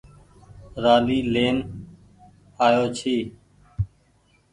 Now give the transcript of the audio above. رآلي لين آيو ڇي۔